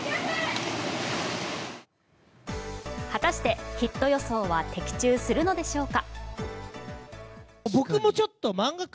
果たして、ヒット予想は的中するのでしょうか。